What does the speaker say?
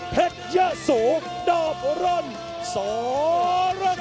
เผ็ดยะสูงนาบรันสรรคม